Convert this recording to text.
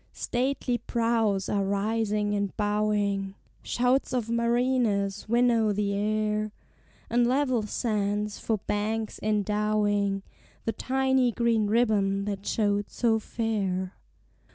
Stately prows are rising and bowing (Shouts of mariners winnow the air) And level sands for banks endowing The tiny green ribbon that showed so fair.